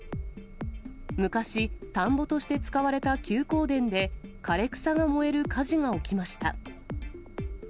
昔、田んぼとして使われた休耕田で枯れ草が燃える火事が起きました。